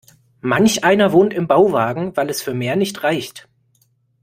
Manch einer wohnt im Bauwagen, weil es für mehr nicht reicht.